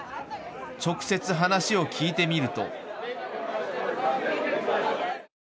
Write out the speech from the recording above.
直接、話を聞いてみると。